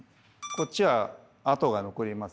こっちは跡が残りますね。